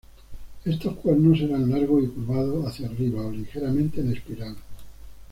Estos cuernos eran largos y curvados hacia arribas o ligeramente en espiral.